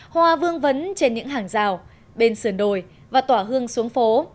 hoa vương vấn trên những hàng rào bên sườn đồi và tỏa hương xuống phố